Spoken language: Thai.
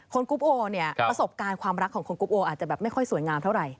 กรุ๊ปโอเนี่ยประสบการณ์ความรักของคุณกรุ๊ปโออาจจะแบบไม่ค่อยสวยงามเท่าไหร